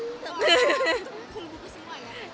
itu full buku semua ya